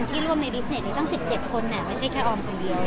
ที่ร่วมในดิสเซอร์เน็ตตั้ง๑๗คนไม่ใช่แค่ออร์มคนเดียวเลย